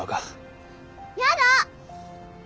やだ！